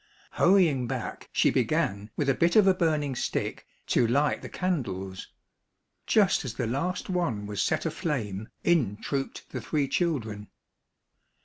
Hurrying back, she began, with a bit of a burning stick, to light the candles. Just as the last one was set aflame, in trooped the three children.